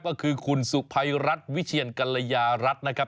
ก็คือคุณสุภัยรัฐวิเชียนกัลยารัฐนะครับ